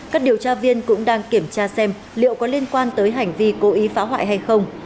các điều tra viên cũng đang kiểm tra xem liệu có liên quan tới hành vi cố ý phá hoại hay không